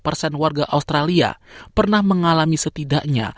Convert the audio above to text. dua puluh persen warga australia pernah mengalami setidaknya